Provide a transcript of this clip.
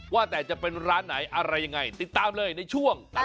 ว่าแต่จะเป็นร้านไหนอะไรยังไงติดตามเลยในช่วง